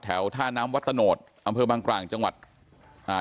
ท่าน้ำวัดตะโนธอำเภอบางกลางจังหวัดอ่า